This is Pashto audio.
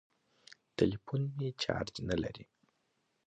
ټليفون مې چارچ نه لري.